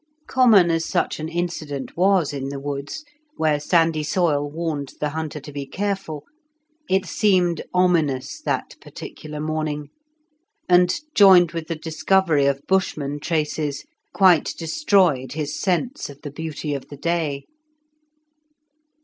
Common as such an incident was in the woods, where sandy soil warned the hunter to be careful, it seemed ominous that particular morning, and, joined with the discovery of Bushman traces, quite destroyed his sense of the beauty of the day.